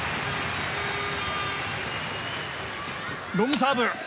ロングサーブ！